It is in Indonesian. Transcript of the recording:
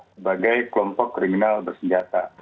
sebagai kelompok kriminal bersenjata